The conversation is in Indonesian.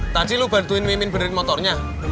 tadi lu bantuin mimin berderit motornya